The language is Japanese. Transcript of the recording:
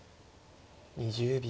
２０秒。